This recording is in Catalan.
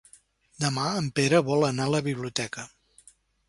Demà en Pere vol anar a la biblioteca.